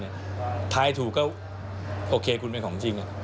แล้วกรรมเนี่ยทายถูกก็โอเคคุณเป็นของจริง